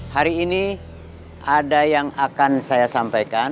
hari ini ada yang akan saya sampaikan